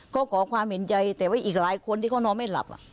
ก็ขอความเห็นใจแต่ว่าอีกหลายคนที่เขานอนไม่หลับ